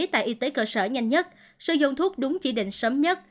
tại y tế cơ sở nhanh nhất sử dụng thuốc đúng chỉ định sớm nhất